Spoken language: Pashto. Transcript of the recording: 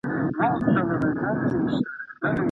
د لیکلو فزیکي حرکت د ویني جریان ښه کوي.